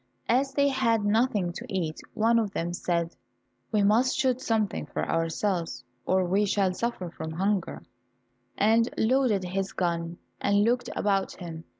As they had nothing to eat, one of them said, "We must shoot something for ourselves or we shall suffer from hunger," and loaded his gun, and looked about him.